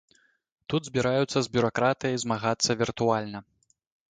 Тут збіраюцца з бюракратыяй змагацца віртуальна.